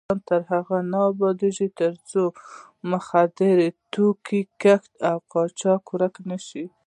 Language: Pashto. افغانستان تر هغو نه ابادیږي، ترڅو د مخدره توکو کښت او قاچاق ورک نشي.